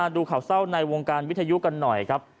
ดูข่าวเศร้าในวงการวิทยุกันหน่อยครับ